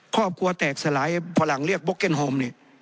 ครอบครัวแตกสลายฝรั่งเรียกบ็อกเก็นฮอม